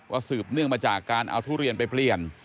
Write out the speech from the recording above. สืบเนื่องมาจากการเอาทุเรียนไปเปลี่ยน